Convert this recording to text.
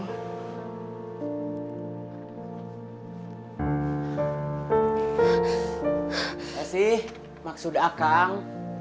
makasih maksud akang